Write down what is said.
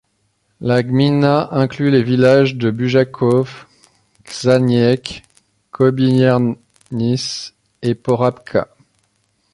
La gmina inclut les villages de Bujaków, Czaniec, Kobiernice et Porąbka.